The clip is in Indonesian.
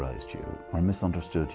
atau memisahkan anda